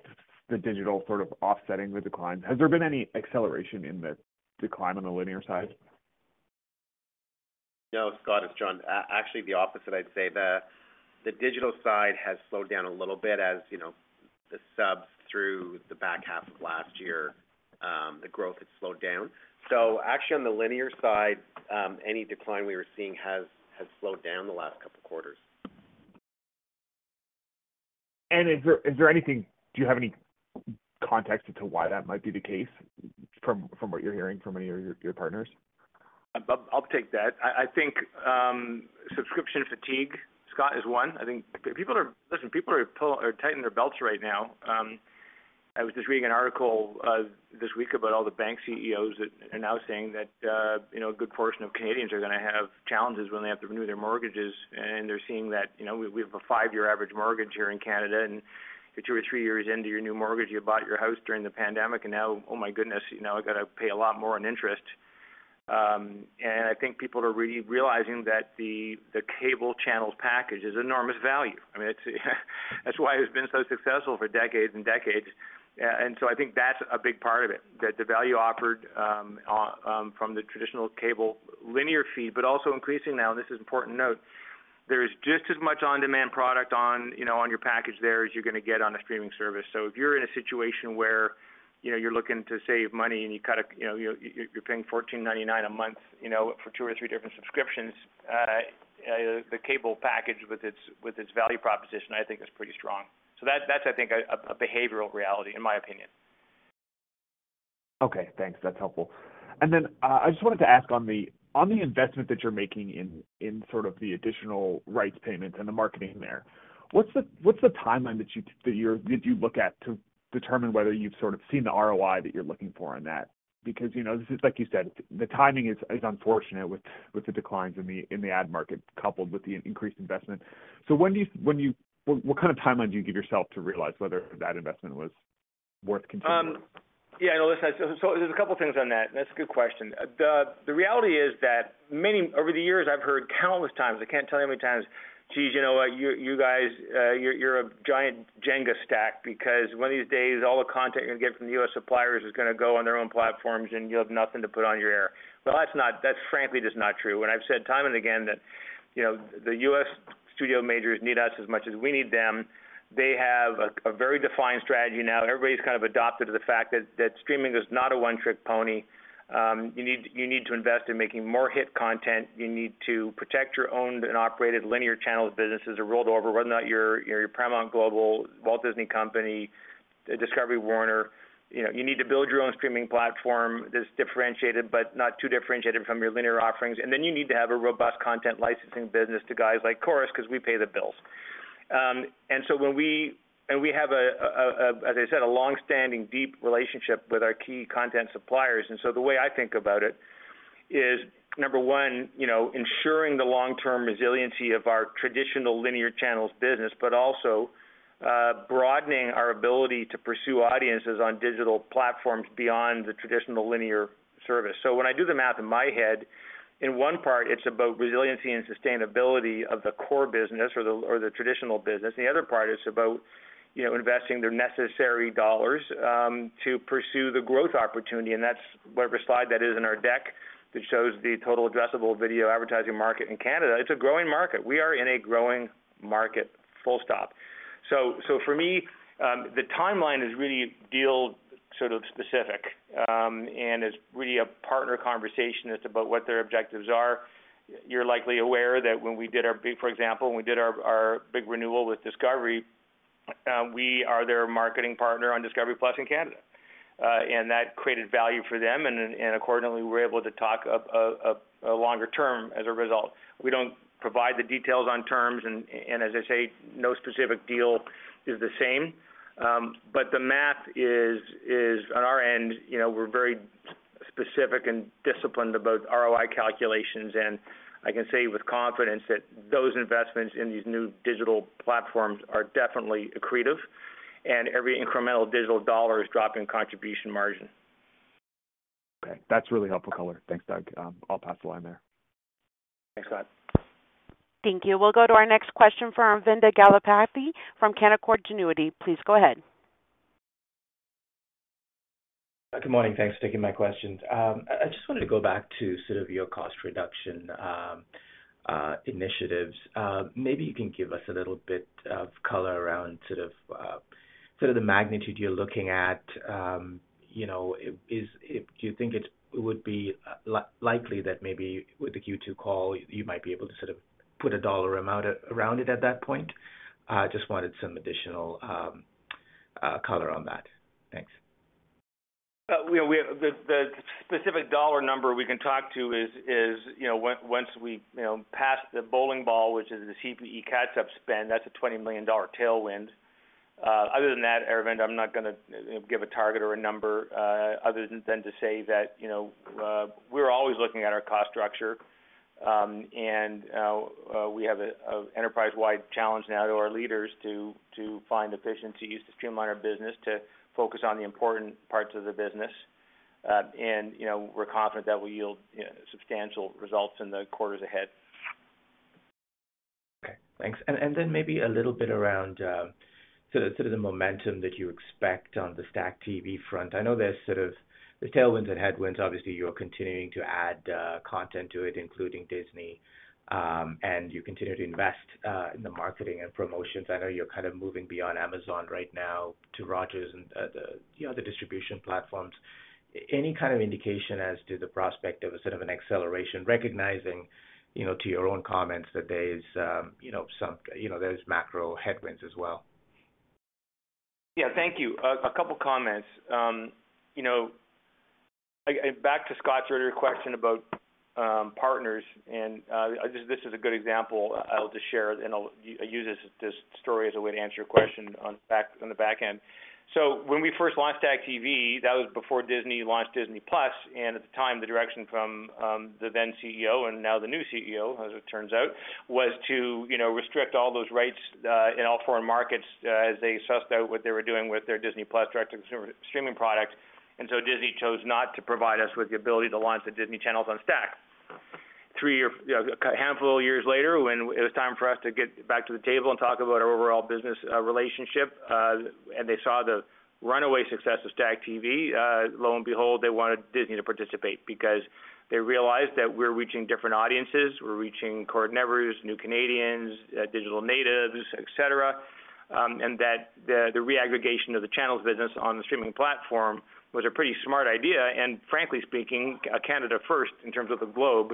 the digital sort of offsetting the decline. Has there been any acceleration in the decline on the linear side? No, Scott, it's John. Actually, the opposite, I'd say. The digital side has slowed down a little bit. As you know, the subs through the back half of last year, the growth had slowed down. Actually, on the linear side, any decline we were seeing has slowed down the last couple of quarters. Is there anything, do you have any context into why that might be the case from what you're hearing from any of your partners? I'll take that. I think subscription fatigue, Scott, is one. Listen, people are tightening their belts right now. I was just reading an article this week about all the bank CEOs that are now saying that, you know, a good portion of Canadians are gonna have challenges when they have to renew their mortgages, and they're seeing that, you know, we have a five-year average mortgage here in Canada, and you're two or three years into your new mortgage. You bought your house during the pandemic, and now, oh my goodness, you know, I got to pay a lot more on interest. I think people are re-realizing that the cable channel package is enormous value. I mean, it's that's why it's been so successful for decades and decades. I think that's a big part of it, that the value offered from the traditional cable linear fee, but also increasing now, and this is an important note, there is just as much on-demand product on, you know, on your package there as you're gonna get on a streaming service. If you're in a situation where, you know, you're looking to save money and you cut, you know, you're paying 14.99 a month, you know, for two or three different subscriptions, the cable package with its value proposition, I think is pretty strong. That's, I think, a behavioral reality in my opinion. Okay, thanks. That's helpful. I just wanted to ask on the investment that you're making in sort of the additional rights payments and the marketing there. What's the timeline did you look at to determine whether you've sort of seen the ROI that you're looking for on that? You know, this is, like you said, the timing is unfortunate with the declines in the ad market coupled with the increased investment. When what kind of timeline do you give yourself to realize whether that investment was worth continuing? Yeah, no, listen, so there's a couple of things on that. That's a good question. The reality is that over the years, I've heard countless times, I can't tell you how many times, "Geez, you know what? You guys, you're a giant Jenga stack because one of these days, all the content you get from the U.S. suppliers is gonna go on their own platforms, and you'll have nothing to put on your air." That's frankly just not true. I've said time and again that, you know, the U.S. studio majors need us as much as we need them. They have a very defined strategy now. Everybody's kind of adopted to the fact that streaming is not a one-trick pony. You need to invest in making more hit content. You need to protect your owned and operated linear channels businesses are rolled over, whether or not your Paramount Global, Walt Disney Company, Warner Bros. Discovery. You know, you need to build your own streaming platform that's differentiated but not too differentiated from your linear offerings. Then you need to have a robust content licensing business to guys like Corus because we pay the bills. We have a, as I said, a long-standing, deep relationship with our key content suppliers. The way I think about it is, number one, you know, ensuring the long-term resiliency of our traditional linear channels business, but also broadening our ability to pursue audiences on digital platforms beyond the traditional linear service. When I do the math in my head, in one part, it's about resiliency and sustainability of the core business or the traditional business. The other part is about, you know, investing the necessary dollars to pursue the growth opportunity. That's whatever slide that is in our deck that shows the total addressable video advertising market in Canada. It's a growing market. We are in a growing market, full stop. For me, the timeline is really sort of specific, and it's really a partner conversation. It's about what their objectives are. You're likely aware that when we did our big, for example, when we did our big renewal with Discovery, we are their marketing partner on Discovery+ in Canada. That created value for them, and accordingly, we're able to talk of a longer term as a result. We don't provide the details on terms, and as I say, no specific deal is the same. The math is on our end, you know, we're very specific and disciplined about ROI calculations. I can say with confidence that those investments in these new digital platforms are definitely accretive, and every incremental digital dollar is dropping contribution margin. Okay, that's really helpful color. Thanks, Doug. I'll pass the line there. Thanks, Scott. Thank you. We'll go to our next question from Vinda Galappatthige from Canaccord Genuity. Please go ahead. Good morning. Thanks for taking my questions. I just wanted to go back to sort of your cost reduction initiatives. Maybe you can give us a little bit of color around the magnitude you're looking at, you know, do you think it would be likely that maybe with the Q2 call, you might be able to sort of put a dollar amount around it at that point? Just wanted some additional color on that. Thanks. The specific dollar number we can talk to is, you know, once we, you know, pass the bowling ball, which is the CPE catch-up spend, that's a 20 million dollar tailwind. Other than that, Aravinda, I'm not gonna give a target or a number, other than to say that, you know, we're always looking at our cost structure, and, we have an enterprise-wide challenge now to our leaders to find efficiencies to streamline our business to focus on the important parts of the business. You know, we're confident that will yield substantial results in the quarters ahead. Okay, thanks. Then maybe a little bit around, so the momentum that you expect on the STACKTV front. I know there's sort of the tailwinds and headwinds. Obviously, you're continuing to add content to it, including Disney, and you continue to invest in the marketing and promotions. I know you're kind of moving beyond Amazon right now to Rogers and the other distribution platforms. Any kind of indication as to the prospect of a sort of an acceleration, recognizing, you know, to your own comments that there is, you know, some, you know, there's macro headwinds as well. Yeah, thank you. A couple of comments. You know, back to Scott's earlier question about partners, and this is a good example I'll just share, and I'll use this story as a way to answer your question on the back end. When we first launched STACKTV, that was before Disney launched Disney+, and at the time, the direction from the then CEO, and now the new CEO, as it turns out, was to, you know, restrict all those rights in all foreign markets as they sussed out what they were doing with their Disney+ direct consumer streaming product. Disney chose not to provide us with the ability to launch the Disney Channels on STACKTV. Three or a handful of years later, when it was time for us to get back to the table and talk about our overall business relationship, they saw the runaway success of STACKTV, lo and behold, they wanted Disney to participate because they realized that we're reaching different audiences. We're reaching cord-nevers, new Canadians, digital natives, et cetera, that the reaggregation of the channels business on the streaming platform was a pretty smart idea, frankly speaking, Canada first in terms of the globe.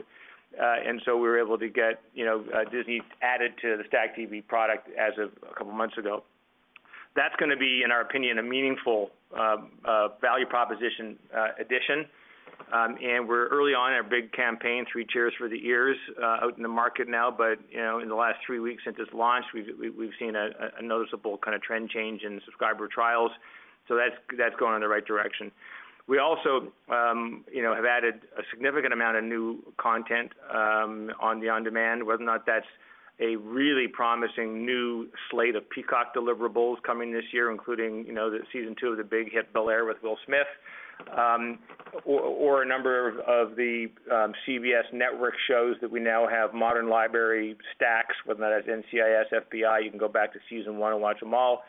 We were able to get, you know, Disney added to the STACKTV product as of a couple of months ago. That's gonna be, in our opinion, a meaningful value proposition addition. We're early on in our big campaign, Three Cheers for the Years, out in the market now. You know, in the last three weeks since this launch, we've seen a noticeable kind of trend change in subscriber trials. That's going in the right direction. We also, you know, have added a significant amount of new content on the on-demand. Whether or not that's a really promising new slate of Peacock deliverables coming this year, including, you know, the Season 2 of the big hit Bel-Air with Will Smith, or a number of the CBS network shows that we now have Modern Library Stacks, whether or not it's NCIS, FBI, you can go back to Season 1 and watch them all.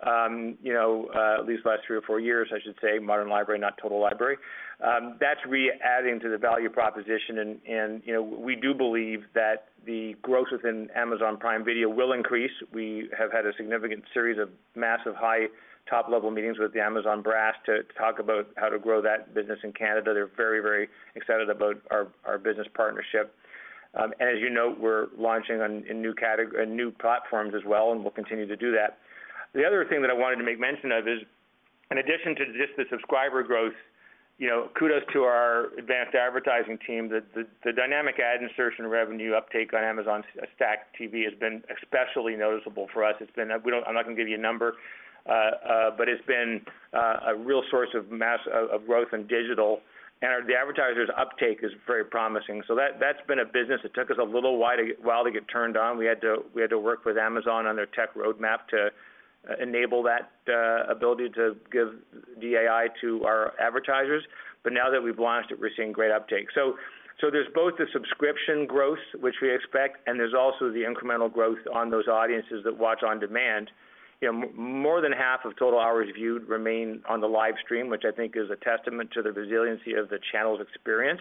you know, at least the last three or four years, I should say, Modern Library, not Total Library. That's re-adding to the value proposition and, you know, we do believe that the growth within Amazon Prime Video will increase. We have had a significant series of massive high top-level meetings with the Amazon brass to talk about how to grow that business in Canada. They're very excited about our business partnership. And as you know, we're launching on, in new platforms as well, and we'll continue to do that. The other thing that I wanted to make mention of is, in addition to just the subscriber growth, you know, kudos to our advanced advertising team. The dynamic ad insertion revenue uptake on Amazon STACKTV has been especially noticeable for us. I'm not gonna give you a number, but it's been a real source of growth in digital. The advertisers' uptake is very promising. That's been a business that took us a little while to get turned on. We had to work with Amazon on their tech roadmap to enable that ability to give DAI to our advertisers. Now that we've launched it, we're seeing great uptake. There's both the subscription growth, which we expect, and there's also the incremental growth on those audiences that watch on demand. You know, more than half of total hours viewed remain on the live stream, which I think is a testament to the resiliency of the channel's experience.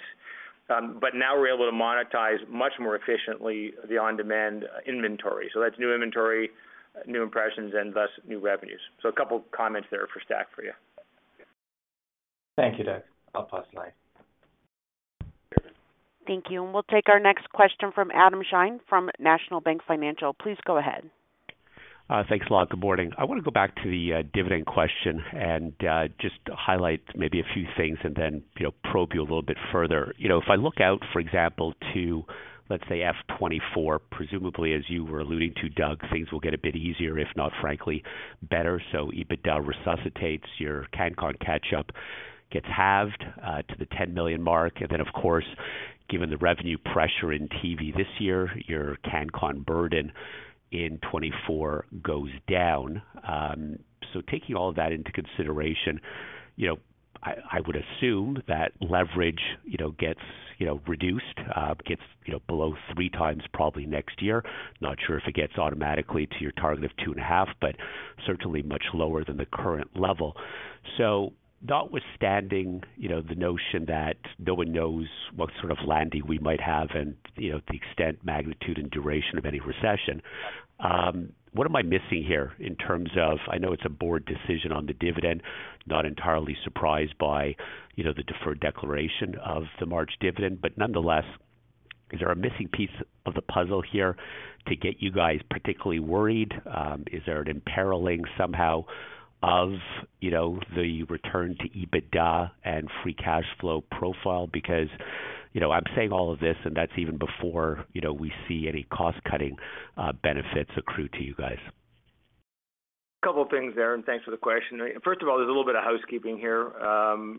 Now we're able to monetize much more efficiently the on-demand inventory. That's new inventory, new impressions, and thus new revenues. A couple comments there for STACKTV for you. Thank you, Doug. I'll pass to line. Thank you. We'll take our next question from Adam Shine from National Bank Financial. Please go ahead. Thanks a lot. Good morning. I want to go back to the dividend question and just highlight maybe a few things and then, you know, probe you a little bit further. You know, if I look out, for example, to, let's say FY 2024, presumably as you were alluding to Doug, things will get a bit easier, if not frankly, better. EBITDA resuscitates, your CanCon catch-up gets halved to the 10 million mark. Then, of course, given the revenue pressure in TV this year, your CanCon burden in 2024 goes down. Taking all of that into consideration, you know, I would assume that leverage, you know, gets, you know, reduced, gets, you know, below 3x probably next year. Not sure if it gets automatically to your target of 2.5x, certainly much lower than the current level. Notwithstanding, you know, the notion that no one knows what sort of landing we might have and, you know, the extent, magnitude, and duration of any recession, what am I missing here in terms of... I know it's a board decision on the dividend, not entirely surprised by, you know, the deferred declaration of the March dividend. Nonetheless, is there a missing piece of the puzzle here to get you guys particularly worried? Is there an imperiling somehow of, you know, the return to EBITDA and free cash flow profile? I'm saying all of this, and that's even before, you know, we see any cost-cutting benefits accrue to you guys. A couple of things there. Thanks for the question. First of all, there's a little bit of housekeeping here.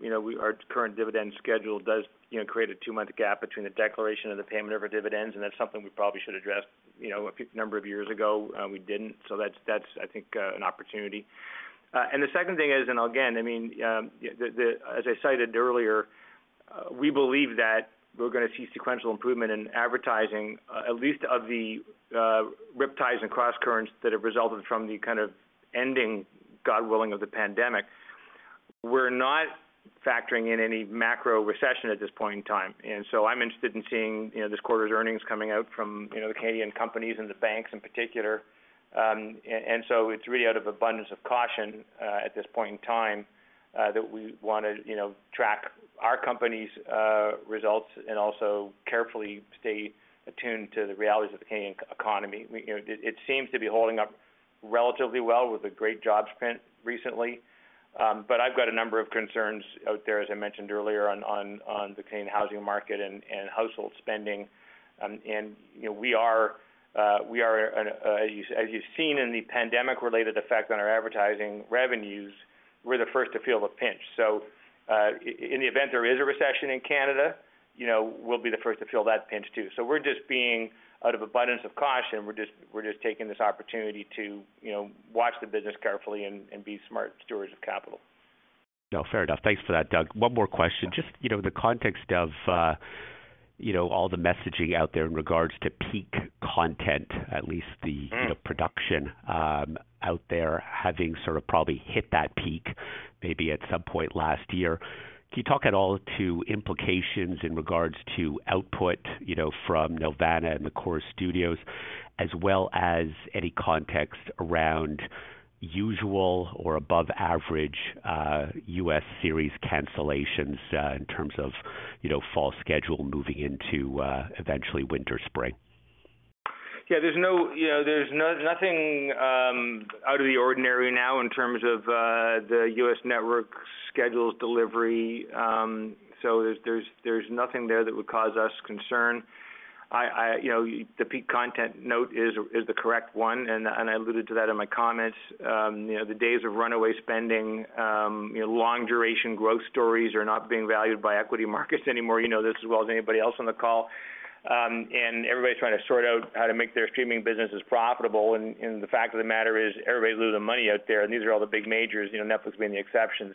you know, our current dividend schedule does, you know, create a two-month gap between the declaration and the payment of our dividends. That's something we probably should address, you know, a number of years ago, we didn't. That's, that's, I think, an opportunity. The second thing is, I mean, as I cited earlier, we believe that we're gonna see sequential improvement in advertising, at least of the riptides and crosscurrents that have resulted from the kind of ending, God willing, of the pandemic. We're not factoring in any macro recession at this point in time. I'm interested in seeing, you know, this quarter's earnings coming out from, you know, the Canadian companies and the banks in particular. It's really out of abundance of caution at this point in time that we wanna, you know, track our company's results and also carefully stay attuned to the realities of the Canadian economy. You know, it seems to be holding up relatively well with a great job sprint recently. I've got a number of concerns out there, as I mentioned earlier, on the Canadian housing market and household spending. You know, we are, as you've seen in the pandemic-related effect on our advertising revenues, we're the first to feel the pinch. In the event there is a recession in Canada, you know, we'll be the first to feel that pinch, too. We're just being out of abundance of caution. We're just taking this opportunity to, you know, watch the business carefully and be smart stewards of capital. No, fair enough. Thanks for that, Doug. One more question. Just, you know, the context of, you know, all the messaging out there in regards to peak content, at least the, you know, production, out there having sort of probably hit that peak maybe at some point last year. Can you talk at all to implications in regards to output, you know, from Nelvana and the Corus Studios, as well as any context around usual or above average, U.S. series cancellations, in terms of, you know, fall schedule moving into, eventually winter, spring? Yeah, there's nothing, you know, out of the ordinary now in terms of the U.S. network schedules delivery. There's nothing there that would cause us concern. You know, the peak content note is the correct one, and I alluded to that in my comments. You know, the days of runaway spending, you know, long duration growth stories are not being valued by equity markets anymore. You know this as well as anybody else on the call. Everybody's trying to sort out how to make their streaming businesses profitable. And the fact of the matter is, everybody's losing money out there, and these are all the big majors, you know, Netflix being the exception.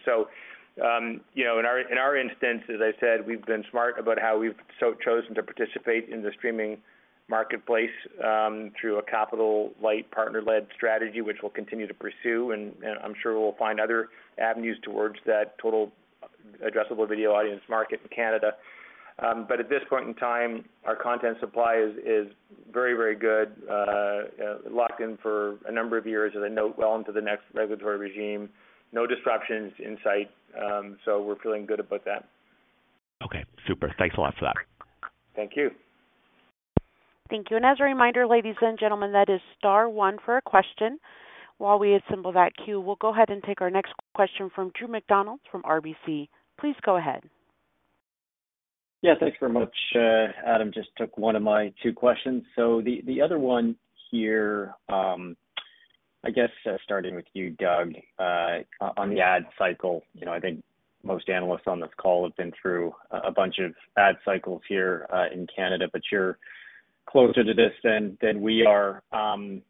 You know, in our instance, as I said, we've been smart about how we've so-chosen to participate in the streaming marketplace through a capital light partner-led strategy, which we'll continue to pursue. I'm sure we'll find other avenues towards that total addressable video audience market in Canada. At this point in time, our content supply is very, very good, locked in for a number of years as I note well into the next regulatory regime. No disruptions in sight, we're feeling good about that. Okay, super. Thanks a lot for that. Thank you. Thank you. As a reminder, ladies and gentlemen, that is star one for a question. While we assemble that queue, we'll go ahead and take our next question from Drew McReynolds from RBC. Please go ahead. Yeah, thanks very much. Adam just took one of my two questions. The other one here, I guess starting with you, Doug, on the ad cycle. You know, I think most analysts on this call have been through a bunch of ad cycles here in Canada, but you're closer to this than we are. And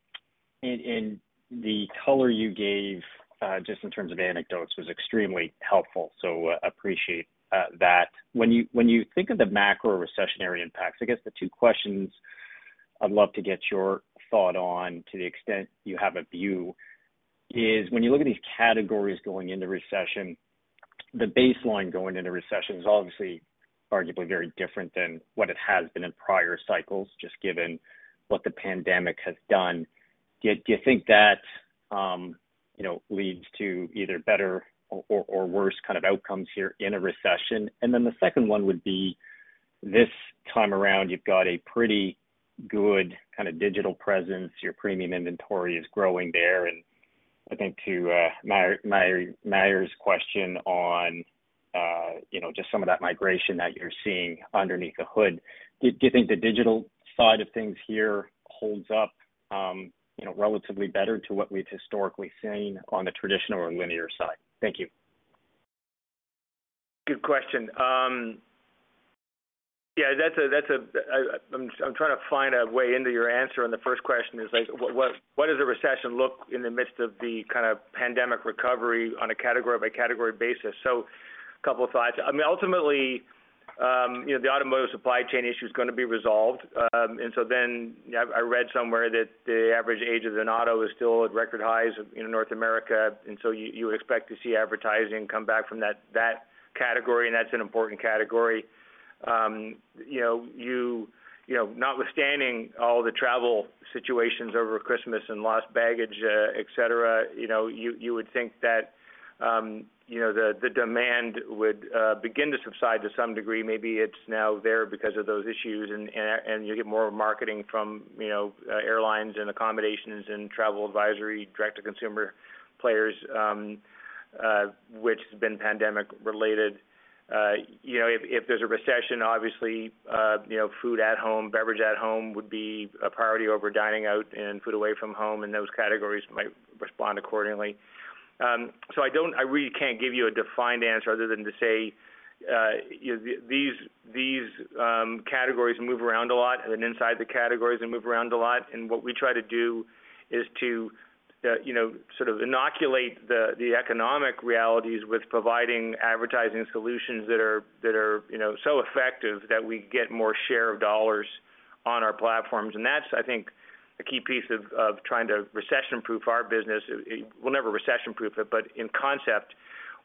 the color you gave just in terms of anecdotes was extremely helpful. Appreciate that. When you think of the macro recessionary impacts, I guess the two questions I'd love to get your thought on, to the extent you have a view, is when you look at these categories going into recession, the baseline going into recession is obviously arguably very different than what it has been in prior cycles, just given what the pandemic has done. Do you think that, you know, leads to either better or worse kind of outcomes here in a recession? The second one would be, this time around, you've got a pretty good kinda digital presence. Your premium inventory is growing there. I think to Maher's question on, you know, just some of that migration that you're seeing underneath the hood. Do you think the digital side of things here holds up, you know, relatively better to what we've historically seen on the traditional or linear side? Thank you. Good question. Yeah, I'm trying to find a way into your answer on the first question is like what does a recession look in the midst of the kind of pandemic recovery on a category by category basis? A couple thoughts. I mean, ultimately, you know, the automotive supply chain issue is gonna be resolved. I read somewhere that the average age of an auto is still at record highs in North America. You would expect to see advertising come back from that category, and that's an important category. You know, you know, notwithstanding all the travel situations over Christmas and lost baggage, et cetera, you know, you would think that, you know, the demand would begin to subside to some degree. Maybe it's now there because of those issues and you get more marketing from, you know, airlines and accommodations and travel advisory, direct-to-consumer players, which has been pandemic-related. If there's a recession, obviously, you know, food at home, beverage at home would be a priority over dining out and food away from home, and those categories might respond accordingly. I don't, I really can't give you a defined answer other than to say, these categories move around a lot and inside the categories, they move around a lot. What we try to do is to, you know, sort of inoculate the economic realities with providing advertising solutions that are, you know, so effective that we get more share of dollars on our platforms. That's, I think, a key piece of trying to recession-proof our business. We'll never recession-proof it, but in concept,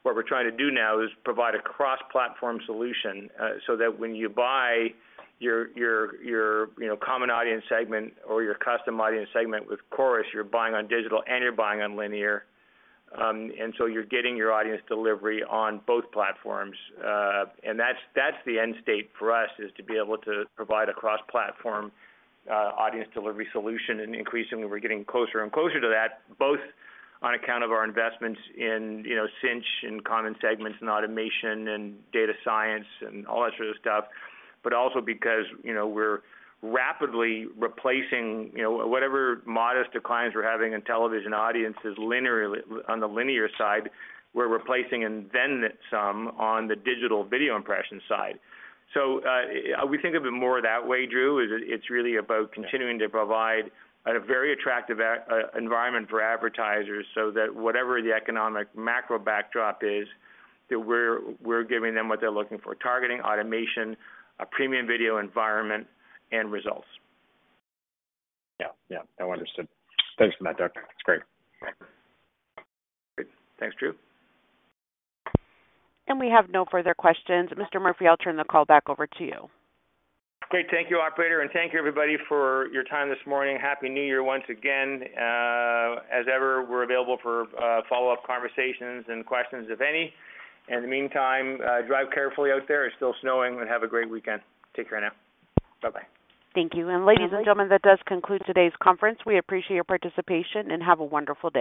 what we're trying to do now is provide a cross-platform solution, so that when you buy your, you know, common audience segment or your custom audience segment with Corus, you're buying on digital and you're buying on linear. So you're getting your audience delivery on both platforms. That's, that's the end state for us, is to be able to provide a cross-platform, audience delivery solution. Increasingly, we're getting closer and closer to that, both on account of our investments in, you know, Cinch and common segments and automation and data science and all that sort of stuff. Also because, you know, we're rapidly replacing, you know, whatever modest declines we're having in television audiences linearly, on the linear side, we're replacing and then some on the digital video impression side. So, we think of it more that way, Drew. It's really about continuing to provide a very attractive environment for advertisers so that whatever the economic macro backdrop is, that we're giving them what they're looking for: targeting, automation, a premium video environment, and results. Yeah. Yeah. No, understood. Thanks for that, Doug. That's great. Great. Thanks, Drew. We have no further questions. Mr. Murphy, I'll turn the call back over to you. Great. Thank you, operator. Thank you, everybody for your time this morning. Happy New Year once again. As ever, we're available for follow-up conversations and questions, if any. In the meantime, drive carefully out there, it's still snowing, and have a great weekend. Take care now. Bye-bye. Thank you. Ladies and gentlemen, that does conclude today's conference. We appreciate your participation, and have a wonderful day.